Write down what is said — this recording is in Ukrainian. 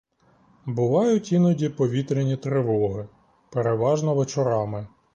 Бувають іноді повітряні тривоги, переважно вечорами.